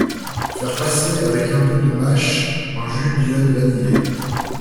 Faire passer avec un peu de mâche en jus d’iode vanillée.